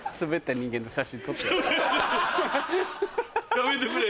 やめてくれ。